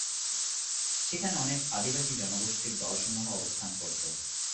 সেখানে অনেক আদিবাসী জনগোষ্ঠীর দলসমূহ অবস্থান করতো।